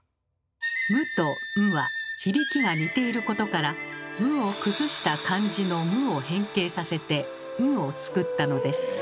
「無」と「ん」は響きが似ていることから無を崩した漢字の「无」を変形させて「ん」を作ったのです。